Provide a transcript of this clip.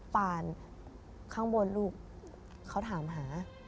ปานข้างบนลูกเขาถามหา